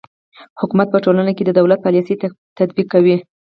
حکومت په ټولنه کې د دولت پالیسي تطبیقوي.